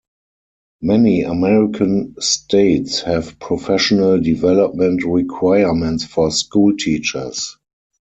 Many American states have professional development requirements for school teachers.